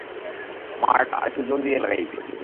মার্টা, আরো একটু জোর দিয়ে গাইবে।